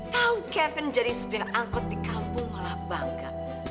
tahu kevin jadi sopir angkot di kampung malah bangga